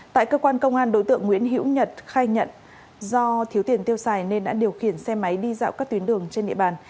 tại cơ quan công an đối tượng nguyễn hiễu nhật khai nhận do thiếu tiền tiêu xài nên đã điều khiển xe máy đi dạo các tuyến đường trên địa bàn